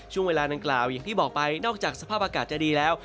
ช่วงเวลาดังกล่าวอย่างที่บอกไปนอกจากสภาพอากาศจะดีแล้ว